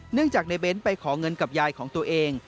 เนื่องจากในเน้นไปขอเงินกับยายของตัวเอง